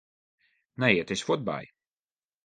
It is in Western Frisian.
Nee, it is fuortby.